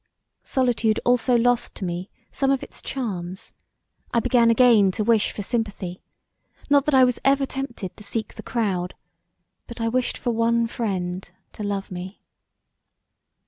Solitude also lost to me some of its charms: I began again to wish for sympathy; not that I was ever tempted to seek the crowd, but I wished for one friend to love me.